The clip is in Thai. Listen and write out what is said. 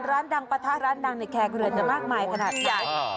ร้านดังประทะร้านดังในแคลคลุยันจะมากมายขนาดนี้